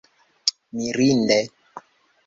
mirinde